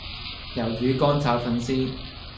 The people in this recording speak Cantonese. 魷魚乾炒粉絲